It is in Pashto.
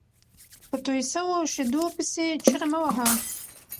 په توى سوو شېدو پيسي چیغي مه وهه!